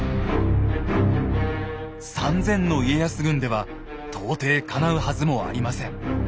３，０００の家康軍では到底かなうはずもありません。